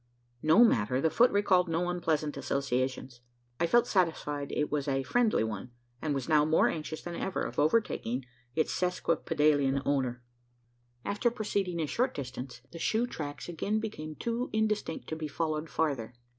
No matter: the foot recalled no unpleasant associations. I felt satisfied it was a friendly one; and was now more anxious than ever of overtaking its sesquipedalian owner. After proceeding a short distance, the shoe tracks again became too indistinct to be followed farther.